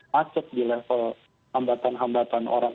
macet di level hambatan hambatan orang